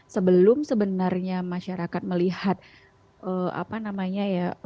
sebelum sebenarnya masyarakat melihat apa namanya ya